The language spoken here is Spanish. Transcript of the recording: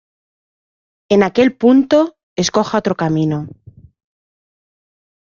En aquel punto, escoja otro camino.